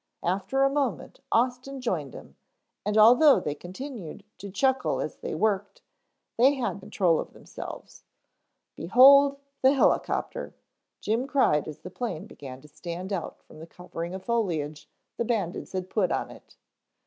After a moment Austin joined him, and although they continued to chuckle as they worked, they had control of themselves. "Behold the Helicopter," Jim cried as the plane began to stand out from the covering of foliage the bandits had put on it.